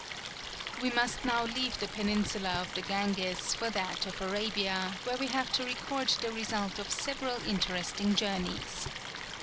We must now leave the peninsula of the Ganges for that of Arabia, where we have to record the result of several interesting journeys.